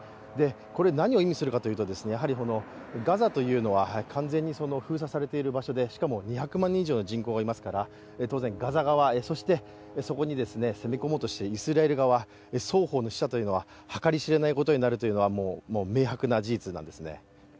これ何を意味するかというとガザというのは完全に封鎖されている場所で、しかも、２００万人以上の人口がいますからガザ側、そしてそこに取り込もうとするイスラエル側、双方の数は計り知れないことになるというのは明白な事実なんです。